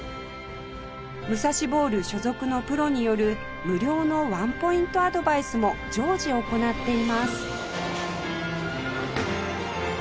ムサシボウル所属のプロによる無料のワンポイントアドバイスも常時行っています